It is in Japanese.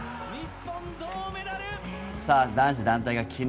男子団体が昨日。